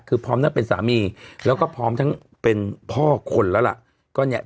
คือพร้อมทั้งเป็นสามีแล้วก็พร้อมทั้งเป็นพ่อคนแล้วล่ะ